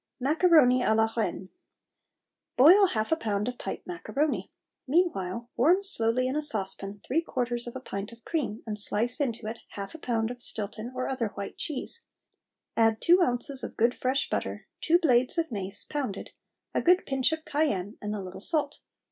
MACARONI A LA REINE. Boil half a pound of pipe macaroni. Meanwhile warm slowly in a saucepan three quarters of a pint of cream, and slice into it half a pound of Stilton or other white cheese, add two ounces of good fresh butter, two blades of mace, pounded, a good pinch of cayenne and a little salt.